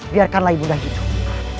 biarkanlah ibunda hidup